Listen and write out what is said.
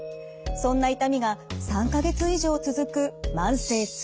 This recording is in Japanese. そんな痛みが３か月以上続く慢性痛。